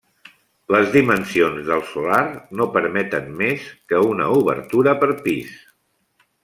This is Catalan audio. Les dimensions del solar no permeten més que una obertura per pis.